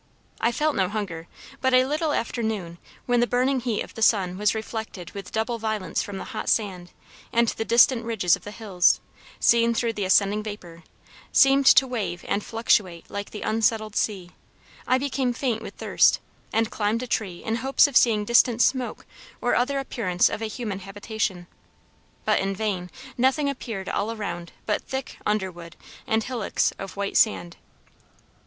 I felt no hunger, but a little after noon, when the burning heat of the sun was reflected with double violence from the hot sand, and the distant ridges of the hills, seen through the ascending vapor, seemed to wave and fluctuate like the unsettled sea, I became faint with thirst, and climbed a tree in hopes of seeing distant smoke or other appearance of a human habitation. But in vain; nothing appeared all around but thick underwood and hillocks of white sand.